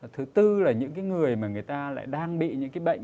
thứ tư là những cái người mà người ta lại đang bị những cái bệnh